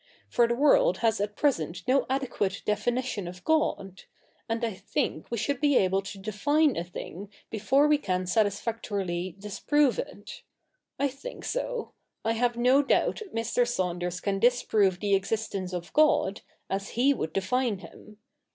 For the world has at present no adequate definition of God ; and I think we should be able to define a thing before we can satisfactorily disprove it. I think so. I have no doubt Mr. Saunders can disprove the existence of God, as he would define Him.